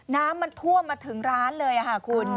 น้ำมันท่วมมาถึงร้านเลยค่ะคุณ